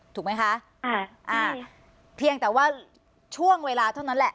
ถูกไหมคะอ่าอ่าเพียงแต่ว่าช่วงเวลาเท่านั้นแหละ